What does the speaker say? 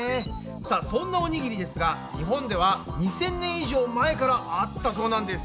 さあそんなおにぎりですが日本では２，０００年以上前からあったそうなんです。